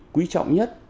quý trọng nhất